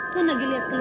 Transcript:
tuan lagi lihat keluar